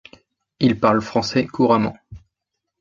Il parle français couramment.